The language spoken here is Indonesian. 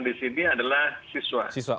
di sini adalah siswa